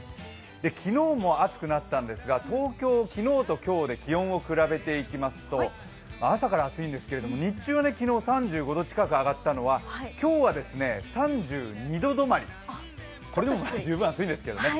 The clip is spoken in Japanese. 昨日も暑くなったんですが東京、昨日と今日で気温を比べていきますと、朝から暑いんですけれども、日中は昨日３５度近く上がったのは今日は３２度止まり、これでも十分暑いですけどね。